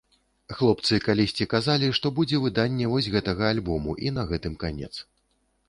Хлопцы калісьці казалі, што будзе выданне вось гэтага альбому і на гэтым канец.